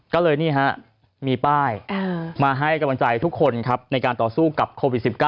ก็เลยนี่ฮะมีป้ายมาให้กำลังใจทุกคนครับในการต่อสู้กับโควิด๑๙